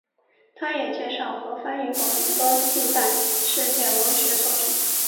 它也介绍和翻译过很多近代世界文学作品。